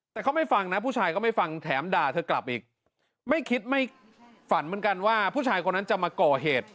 แต่เขาไม่ฟังนะผู้ชายก็ไม่ฟังแถมด่าเธอกลับอีกไม่คิดไม่ฝันเหมือนกันว่าผู้ชายคนนั้นจะมาก่อเหตุ